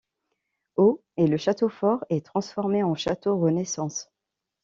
Aux et le château fort est transformé en château Renaissance.